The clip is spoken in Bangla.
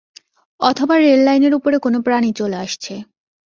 অথবা রেললাইনের উপরে কোন প্রাণী চলে আসছে।